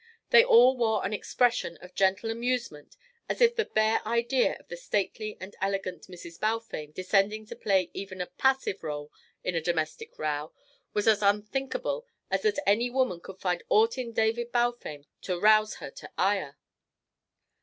They all wore an expression of gentle amusement as if the bare idea of the stately and elegant Mrs. Balfame descending to play even a passive rôle in a domestic row was as unthinkable as that any woman could find aught in David Balfame to rouse her to ire.